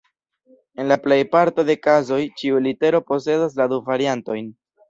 En la plej parto de kazoj, ĉiu litero posedas la du variantojn.